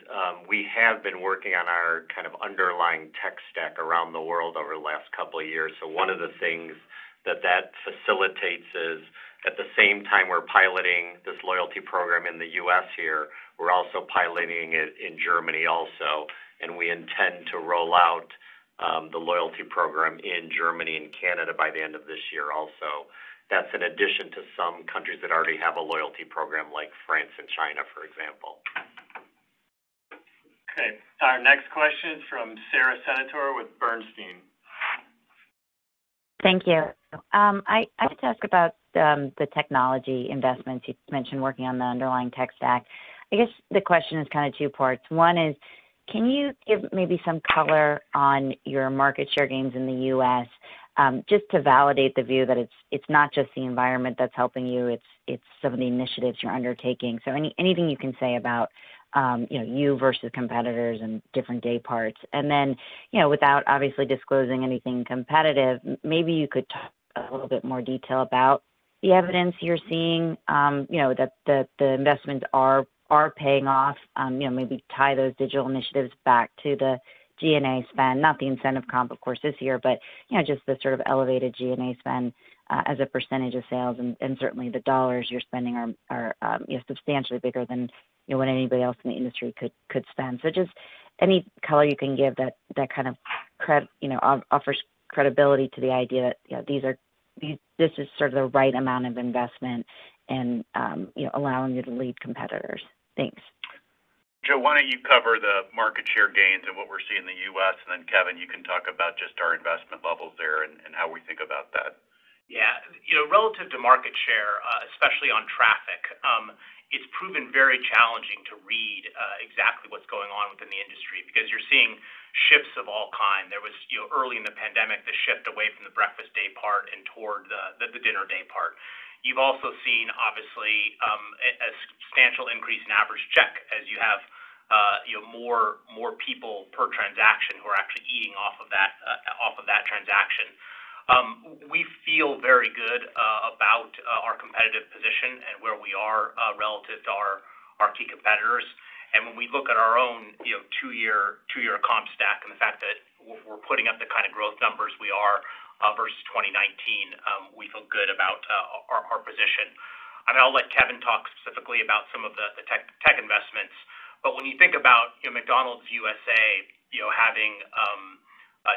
we have been working on our underlying tech stack around the world over the last couple of years. One of the things that facilitates is at the same time we're piloting this loyalty program in the U.S. here, we're also piloting it in Germany also, and we intend to roll out. The loyalty program in Germany and Canada by the end of this year also. That's in addition to some countries that already have a loyalty program like France and China, for example. Okay. Our next question is from Sara Senatore with Bernstein. Thank you. I'd like to ask about the technology investments. You mentioned working on the underlying tech stack. I guess the question is two parts. One is, can you give maybe some color on your market share gains in the U.S., just to validate the view that it's not just the environment that's helping you, it's some of the initiatives you're undertaking. Anything you can say about you versus competitors and different dayparts. Without obviously disclosing anything competitive, maybe you could talk a little bit more detail about the evidence you're seeing, that the investments are paying off. Maybe tie those digital initiatives back to the G&A spend, not the incentive comp of course this year, but just the sort of elevated G&A spend as a percent of sales. Certainly the dollars you're spending are substantially bigger than what anybody else in the industry could spend. Just any color you can give that kind of offers credibility to the idea that this is sort of the right amount of investment in allowing you to lead competitors. Thanks. Joe, why don't you cover the market share gains and what we're seeing in the U.S., and then Kevin, you can talk about just our investment levels there and how we think about that. Yeah. Relative to market share, especially on traffic, it's proven very challenging to read exactly what's going on within the industry because you're seeing shifts of all kind. There was early in the pandemic, the shift away from the breakfast daypart and toward the dinner daypart. You've also seen, obviously, a substantial increase in average check as you have more people per transaction who are actually eating off of that transaction. We feel very good about our competitive position and where we are relative to our key competitors. When we look at our own two-year comp stack and the fact that we're putting up the kind of growth numbers we are versus 2019, we feel good about our position. I'll let Kevin talk specifically about some of the tech investments. When you think about McDonald's USA having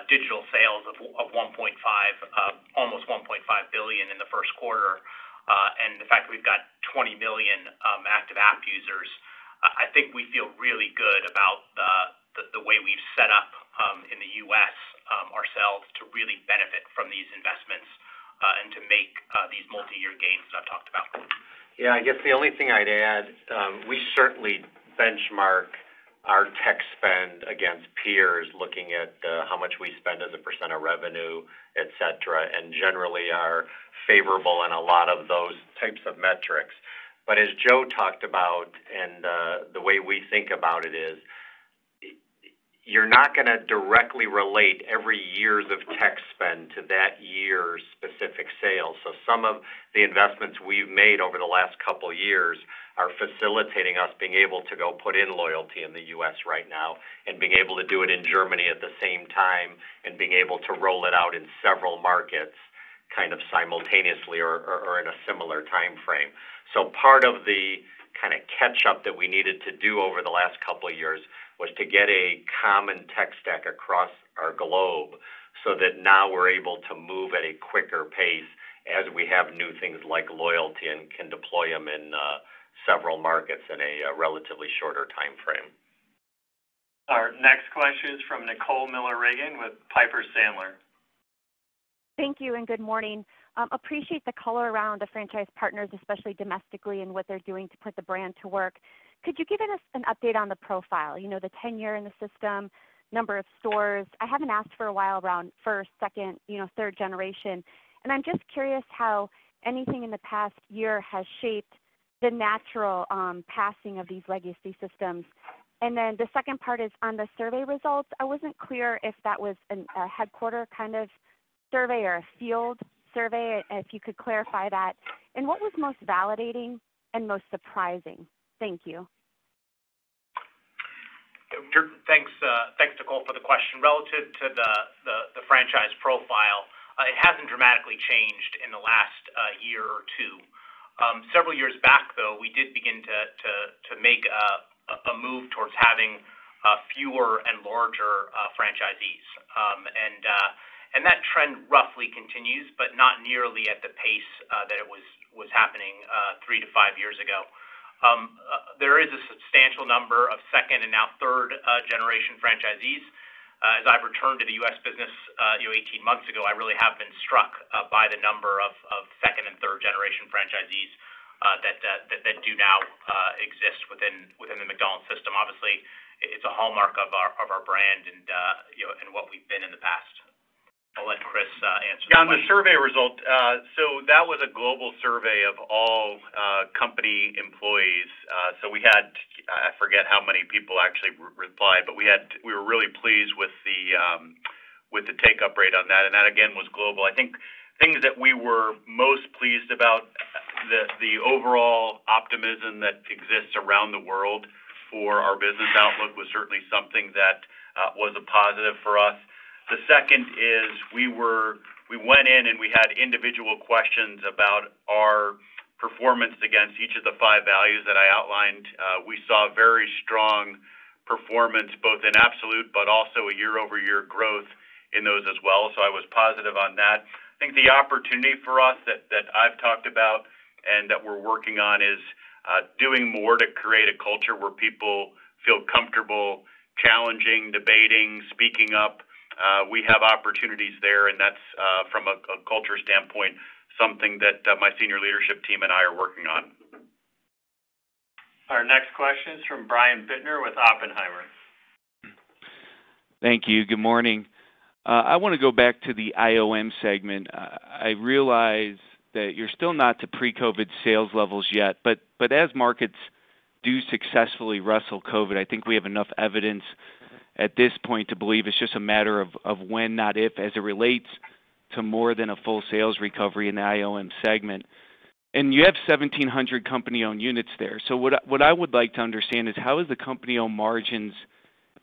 digital sales of almost $1.5 billion in the first quarter, and the fact that we've got 20 million active app users, I think we feel really good about the way we've set up in the U.S. ourselves to really benefit from these investments, and to make these multi-year gains that I've talked about. Yeah, I guess the only thing I'd add, we certainly benchmark our tech spend against peers looking at how much we spend as a percent of revenue, et cetera, and generally are favorable in a lot of those types of metrics. As Joe talked about and the way we think about it is, you're not going to directly relate every year's of tech spend to that year's specific sales. Some of the investments we've made over the last couple of years are facilitating us being able to go put in loyalty in the U.S. right now and being able to do it in Germany at the same time, and being able to roll it out in several markets kind of simultaneously or in a similar timeframe. Part of the catch-up that we needed to do over the last couple of years was to get a common tech stack across our globe so that now we're able to move at a quicker pace as we have new things like loyalty and can deploy them in several markets in a relatively shorter timeframe. Our next question is from Nicole Miller Regan with Piper Sandler. Thank you and good morning. Appreciate the color around the franchise partners, especially domestically and what they're doing to put the brand to work. Could you give us an update on the profile? The tenure in the system, number of stores. I haven't asked for a while around first, second, third generation. I'm just curious how anything in the past year has shaped the natural passing of these legacy systems. The second part is on the survey results. I wasn't clear if that was a headquarter kind of survey or a field survey, if you could clarify that. What was most validating and most surprising? Thank you. Thanks, Nicole for the question. Relative to the franchise profile, it hasn't dramatically changed in the last year or two. Several years back, though, we did begin to make a move towards having fewer and larger franchisees. That trend roughly continues, but not nearly at the pace that it was happening three to five years ago. There is a substantial number of second and now third generation franchisees. As I've returned to the U.S. business 18 months ago, I really have been struck by the number of second and third generation franchisees that do now exist within the McDonald's system. Obviously, it's a hallmark of our brand and what we've been in the past. I'll let Chris answer the question. On the survey result. That was a global survey of all company employees. We had, I forget how many people actually replied, but we were really pleased with the take-up rate on that. That, again, was global. I think things that we were most pleased about, the overall optimism that exists around the world for our business outlook was certainly something that was a positive for us. The second is we went in and we had individual questions about our performance. The five values that I outlined, we saw very strong performance, both in absolute, but also a year-over-year growth in those as well. I was positive on that. I think the opportunity for us that I've talked about and that we're working on, is doing more to create a culture where people feel comfortable challenging, debating, speaking up. We have opportunities there, and that's, from a culture standpoint, something that my senior leadership team and I are working on. Our next question is from Brian Bittner with Oppenheimer. Thank you. Good morning. I want to go back to the IOM segment. I realize that you're still not to pre-COVID sales levels yet, but as markets do successfully wrestle COVID, I think we have enough evidence at this point to believe it's just a matter of when, not if, as it relates to more than a full sales recovery in the IOM segment. You have 1,700 company-owned units there. What I would like to understand is how is the company-owned margins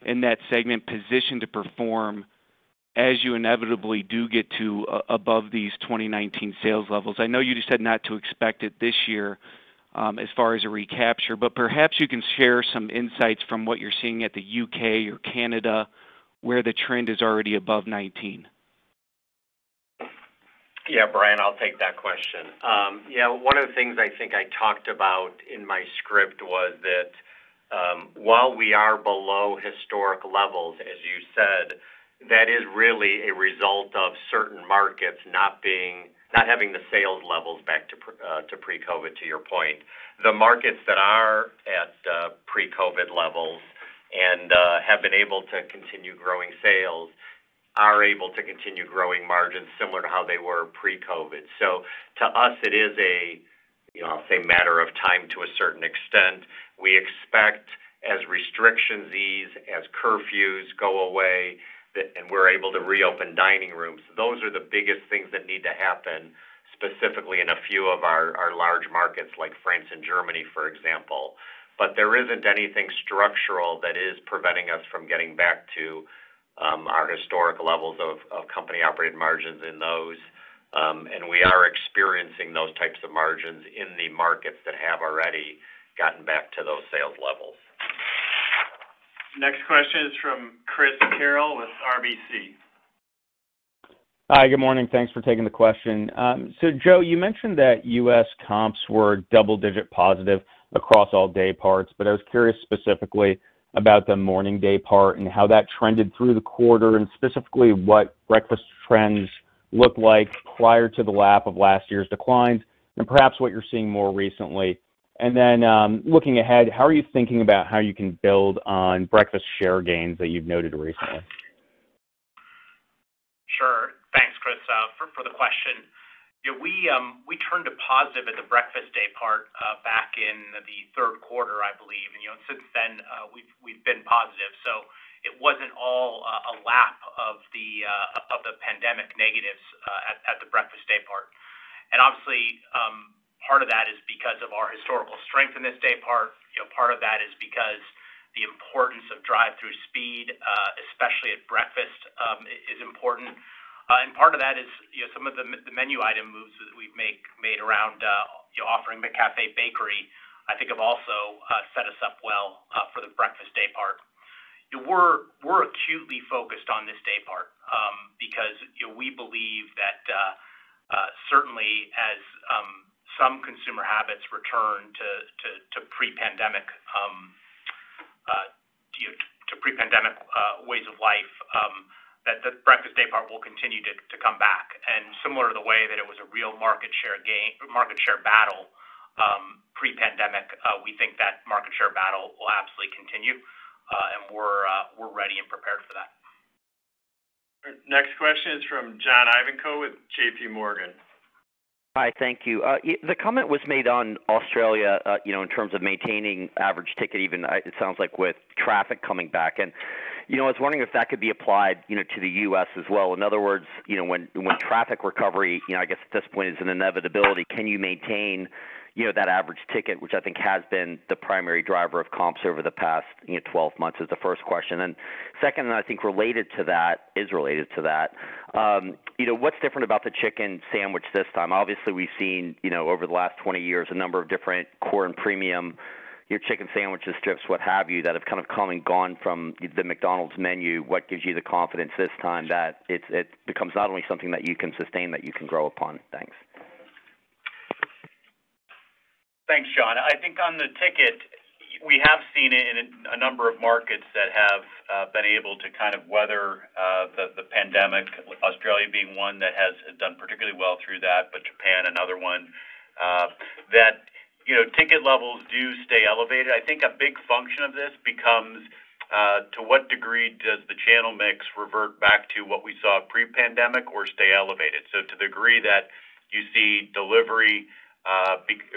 in that segment positioned to perform, as you inevitably do get to above these 2019 sales levels? I know you just said not to expect it this year as far as a recapture, but perhaps you can share some insights from what you're seeing at the U.K. or Canada, where the trend is already above 2019. Brian, I'll take that question. One of the things I think I talked about in my script was that while we are below historic levels, as you said, that is really a result of certain markets not having the sales levels back to pre-COVID-19, to your point. The markets that are at pre-COVID-19 levels and have been able to continue growing sales, are able to continue growing margins similar to how they were pre-COVID-19. To us, it is a matter of time to a certain extent. We expect as restrictions ease, as curfews go away, and we're able to reopen dining rooms. Those are the biggest things that need to happen, specifically in a few of our large markets like France and Germany, for example. There isn't anything structural that is preventing us from getting back to our historic levels of company-operated margins in those. We are experiencing those types of margins in the markets that have already gotten back to those sales levels. Next question is from Chris Carril with RBC. Hi, good morning. Thanks for taking the question. Joe, you mentioned that U.S. comps were double-digit positive across all dayparts, but I was curious specifically about the morning daypart and how that trended through the quarter, and specifically, what breakfast trends looked like prior to the lap of last year's declines, and perhaps what you're seeing more recently. Then, looking ahead, how are you thinking about how you can build on breakfast share gains that you've noted recently? Sure. Thanks, Chris, for the question. We turned a positive at the breakfast daypart back in the third quarter, I believe. Since then, we've been positive. It wasn't all a lap of the pandemic negatives at the breakfast daypart. Obviously, part of that is because of our historical strength in this daypart. Part of that is because the importance of drive-thru speed, especially at breakfast is important. Part of that is some of the menu item moves that we've made around offering McCafé Bakery, I think have also set us up well for the breakfast daypart. We're acutely focused on this daypart, because we believe that certainly as some consumer habits return to pre-pandemic ways of life, that the breakfast daypart will continue to come back. Similar to the way that it was a real market share battle pre-pandemic, we think that market share battle will absolutely continue. We're ready and prepared for that. Next question is from John Ivankoe with JPMorgan. Hi, thank you. The comment was made on Australia, in terms of maintaining average ticket even, it sounds like with traffic coming back, I was wondering if that could be applied to the U.S. as well. In other words, when traffic recovery, I guess at this point is an inevitability. Can you maintain that average ticket, which I think has been the primary driver of comps over the past 12 months, is the first question. Second, and I think related to that, what's different about the chicken sandwich this time? Obviously, we've seen, over the last 20 years, a number of different core and premium chicken sandwiches, strips, what have you, that have kind of come and gone from the McDonald's menu. What gives you the confidence this time that it becomes not only something that you can sustain, that you can grow upon? Thanks. Thanks, John. I think on the ticket, we have seen it in a number of markets that have been able to weather the pandemic, Australia being one that has done particularly well through that, but Japan, another one. That ticket levels do stay elevated. I think a big function of this becomes, to what degree does the channel mix revert back to what we saw pre-pandemic or stay elevated? To the degree that you see delivery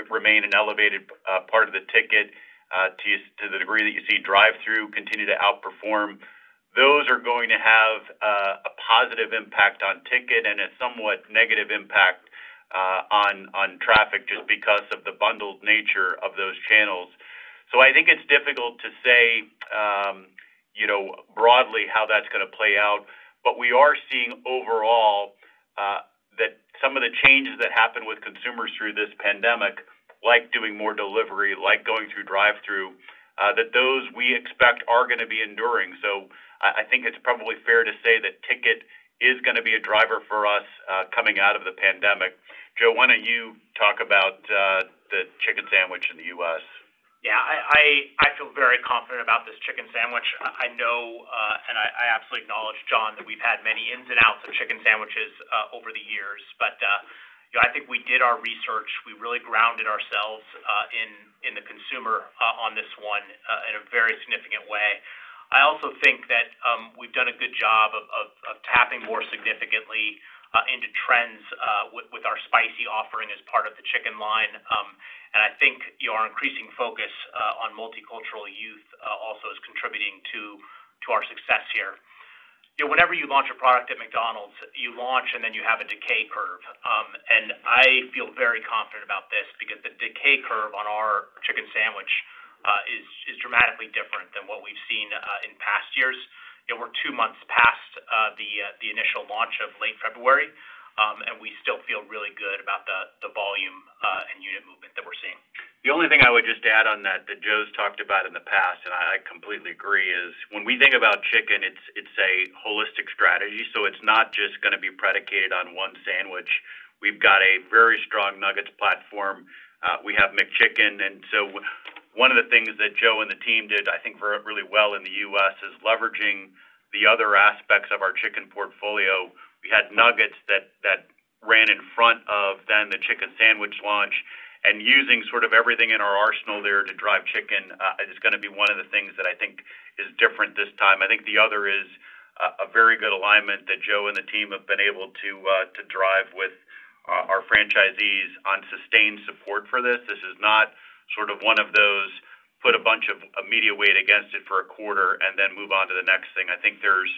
remain an elevated part of the ticket, to the degree that you see drive-thru continue to outperform, those are going to have a positive impact on ticket and a somewhat negative impact on traffic, just because of the bundled nature of those channels. I think it's difficult to say Broadly how that's going to play out. We are seeing overall, that some of the changes that happen with consumers through this pandemic, like doing more delivery, like going through drive-thru, that those we expect are going to be enduring. I think it's probably fair to say that ticket is going to be a driver for us, coming out of the pandemic. Joe, why don't you talk about the chicken sandwich in the U.S.? Yeah. I feel very confident about this chicken sandwich. I absolutely acknowledge, John, that we've had many ins and outs of chicken sandwiches over the years. I think we did our research. We really grounded ourselves in the consumer on this one, in a very significant way. I also think that we've done a good job of tapping more significantly into trends with our spicy offering as part of the chicken line. I think our increasing focus on multicultural youth also is contributing to our success here. Whenever you launch a product at McDonald's, you launch and then you have a decay curve. I feel very confident about this because the decay curve on our chicken sandwich is dramatically different than what we've seen in past years. We're two months past the initial launch of late February. We still feel really good about the volume and unit movement that we're seeing. The only thing I would just add on that Joe's talked about in the past, and I completely agree, is when we think about chicken, it's a holistic strategy. It's not just going to be predicated on one sandwich. We've got a very strong nuggets platform. We have McChicken. One of the things that Joe and the team did I think really well in the U.S. is leveraging the other aspects of our chicken portfolio. We had nuggets that ran in front of then the chicken sandwich launch and using everything in our arsenal there to drive chicken, is going to be one of the things that I think is different this time. I think the other is a very good alignment that Joe and the team have been able to drive with our franchisees on sustained support for this. This is not one of those, put a bunch of media weight against it for a quarter and then move on to the next thing. I think there's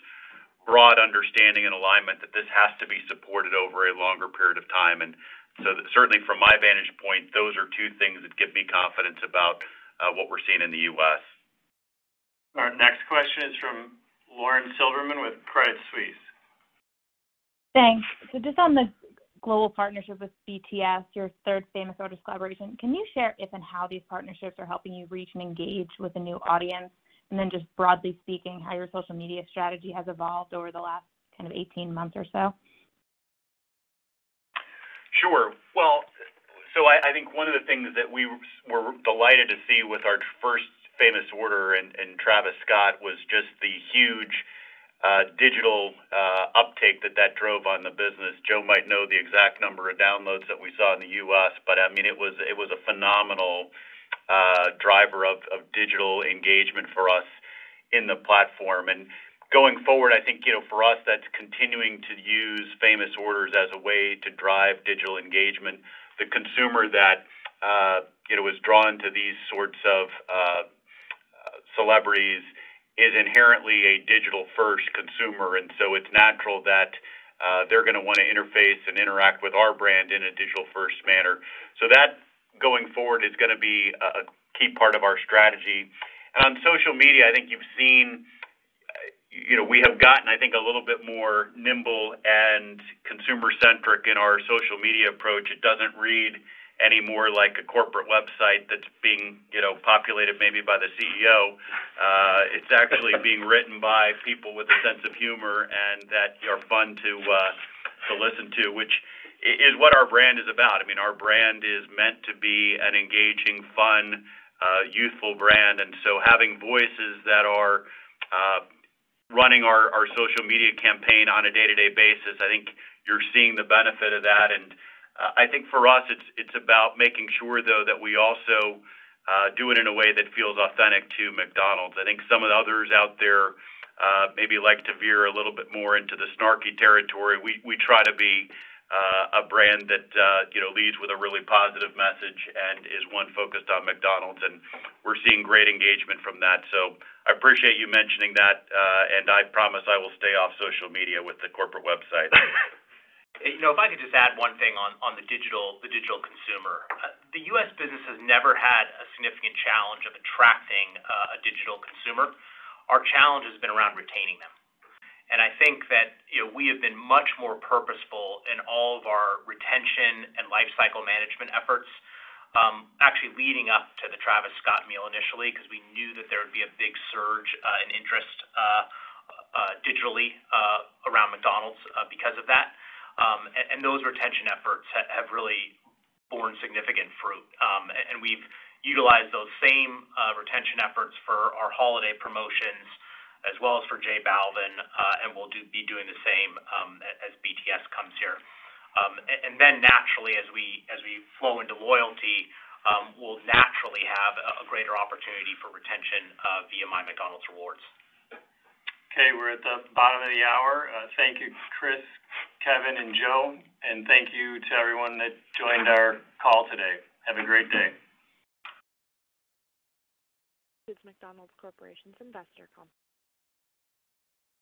broad understanding and alignment that this has to be supported over a longer period of time. Certainly from my vantage point, those are two things that give me confidence about what we're seeing in the U.S. Our next question is from Lauren Silberman with Credit Suisse. Thanks. Just on the global partnership with BTS, your third Famous Orders collaboration, can you share if and how these partnerships are helping you reach and engage with a new audience? Then just broadly speaking, how your social media strategy has evolved over the last 18 months or so? I think one of the things that we were delighted to see with our first Famous Orders and Travis Scott was just the huge digital uptake that drove on the business. Joe might know the exact number of downloads that we saw in the U.S., It was a phenomenal driver of digital engagement for us in the platform. Going forward, I think, for us, that's continuing to use Famous Orders as a way to drive digital engagement. The consumer that was drawn to these sorts of celebrities is inherently a digital-first consumer. It's natural that they're going to want to interface and interact with our brand in a digital-first manner. That, going forward, is going to be a key part of our strategy. On social media, I think you've seen we have gotten, I think, a little bit more nimble and consumer-centric in our social media approach. It doesn't read anymore like a corporate website that's being populated maybe by the CEO. It's actually being written by people with a sense of humor and that are fun to listen to, which is what our brand is about. Our brand is meant to be an engaging, fun, youthful brand. Having voices that are running our social media campaign on a day-to-day basis, I think you're seeing the benefit of that. I think for us, it's about making sure, though, that we also do it in a way that feels authentic to McDonald's. I think some of the others out there maybe like to veer a little bit more into the snarky territory. We try to be a brand that leads with a really positive message and is one focused on McDonald's, and we're seeing great engagement from that. I appreciate you mentioning that, and I promise I will stay off social media with the corporate website. If I could just add one thing on the digital consumer. The U.S. business has never had a significant challenge of attracting a digital consumer. Our challenge has been around retaining them. I think that we have been much more purposeful in all of our retention and lifecycle management efforts, actually leading up to the Travis Scott Meal initially, because we knew that there would be a big surge in interest digitally around McDonald's because of that. Those retention efforts have really borne significant fruit. We've utilized those same retention efforts for our holiday promotions as well as for J Balvin, and we'll be doing the same as BTS comes here. Naturally, as we flow into loyalty, we'll naturally have a greater opportunity for retention via MyMcDonald's Rewards. Okay, we're at the bottom of the hour. Thank you, Chris, Kevin, and Joe, and thank you to everyone that joined our call today. Have a great day. This is McDonald's Corporation's Investor conference.